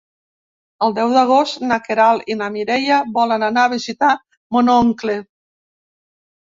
El deu d'agost na Queralt i na Mireia volen anar a visitar mon oncle.